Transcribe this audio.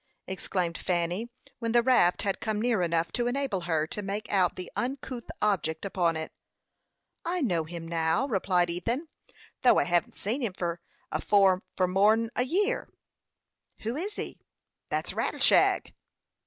exclaimed Fanny, when the raft had come near enough to enable her to make out the uncouth object upon it. "I know him now," replied Ethan, "though I hevn't seen him afore for more 'n a year." "Who is he?" "Thet's Rattleshag."